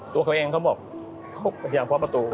ตัวเขาเองเขาบอกกำลังมรับถึงประตู